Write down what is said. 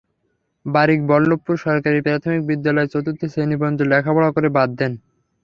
বারিক বল্লভপুর সরকারি প্রাথমিক বিদ্যালয়ে চতুর্থ শ্রেণি পর্যন্ত পড়ালেখা করে বাদ দেন।